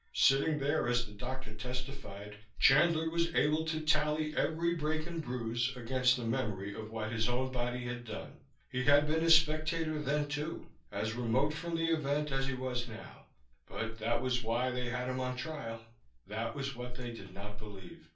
Sitting there as the doctor testified, Chandler was able to tally every break and bruise against the memory of what his own body had done. He had been a spectator then, too, as remote from the event as he was now; but that was why they had him on trial. That was what they did not believe.